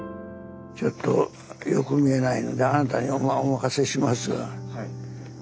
ちょっとよく見えないのであなたにお任せしますが。